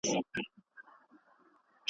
پرون مي یو نوی موټر ولید.